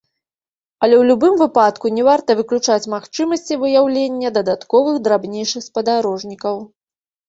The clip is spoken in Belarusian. Але ў любым выпадку, не варта выключаць магчымасці выяўлення дадатковых драбнейшых спадарожнікаў.